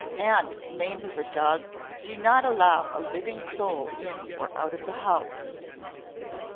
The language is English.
And, name of a dog! do not allow a living soul in or out of the house!"